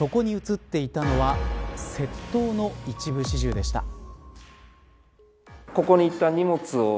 そこに映っていたのは窃盗の一部始終でした。